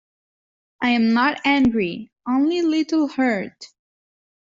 I am not angry, only a little hurt.